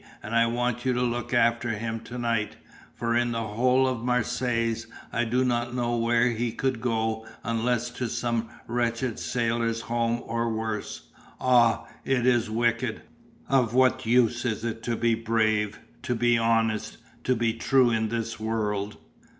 And I want you to look after him to night, for in the whole of Marseilles I do not know where he could go unless to some wretched Sailors' Home or worse. Ah, it is wicked. Of what use is it to be brave, to be honest, to be true in this world?"